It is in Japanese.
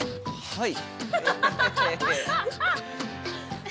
はい。